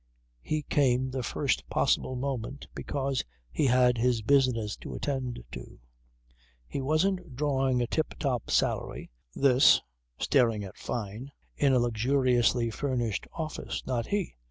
He came the first possible moment because he had his business to attend to. He wasn't drawing a tip top salary (this staring at Fyne) in a luxuriously furnished office. Not he.